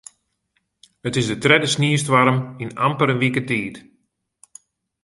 It is de tredde sniestoarm yn amper in wike tiid.